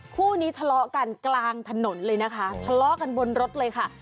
คู่นี้ทะเลาะกันกลางถนนเลยนะคะทะเลาะกันบนรถเลยค่ะ